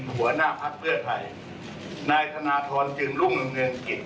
หัวหน้าภักดิ์เพื่อไทยนายธนาธรจึงรุ่งหนึ่งหนึ่งกิจ